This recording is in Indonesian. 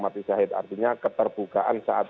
mati syahid artinya keterbukaan saat